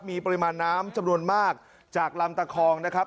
มีปริมาณน้ำจำนวนมากจากลำตะคองนะครับ